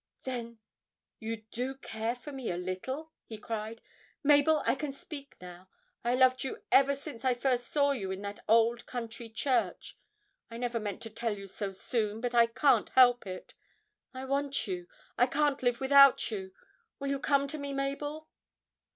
'Then you do care for me a little?' he cried. 'Mabel, I can speak now. I loved you ever since I first saw you in that old country church. I never meant to tell you so soon, but I can't help it. I want you I can't live without you! Will you come to me, Mabel?'